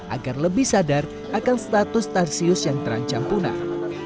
agar lebih sadar akan status tarsius yang terancam punah